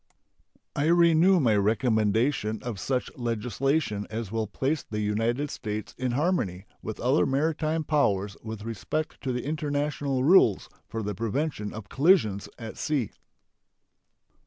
I renew my recommendation of such legislation as will place the United States in harmony with other maritime powers with respect to the international rules for the prevention of collisions at sea.